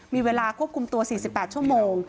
มีเวลาควบคุมตัว๔๘ชั่วโมง